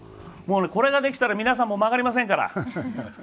これができたら皆さんも曲がりませんから。